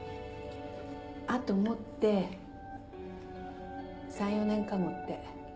あと持って３４年かもって。